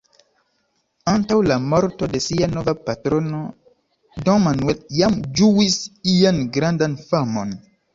Antaŭ la morto de sia nova patrono, Don Manuel jam ĝuis ian grandan famon.